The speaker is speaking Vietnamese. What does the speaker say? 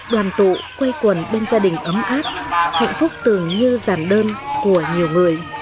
đoàn tụ quay quần bên gia đình ấm áp hạnh phúc tưởng như giảm đơn của nhiều người